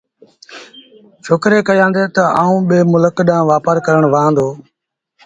ڇوڪري ڪهيآݩدي تا آئوݩ ٻي ملڪ ڏآݩهݩ وآپآر ڪرڻ وهآݩ دو